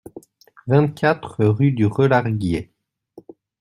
vingt-quatre rue du Relarguier